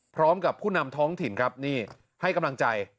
พร้อมกับผู้นำท้องถิ่นครับนี่ให้กำลังใจ